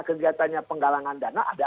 kegiatannya penggalangan dana ada